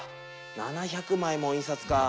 ７００枚も印刷かあ。